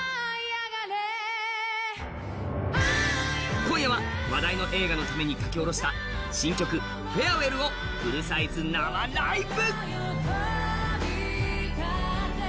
今夜は話題の映画のために書き下ろした新曲「Ｆａｒｅｗｅｌｌ」をフルサイズ生ライブ。